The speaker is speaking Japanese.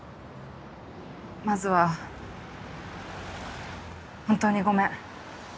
まずは本当にごめん。